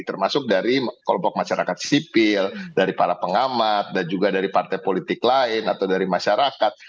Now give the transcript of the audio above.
termasuk dari kelompok masyarakat sipil dari para pengamat dan juga dari partai politik lain atau dari masyarakat